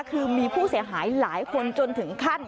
คือมีผู้เสียหายหลายคนจนถึงขั้น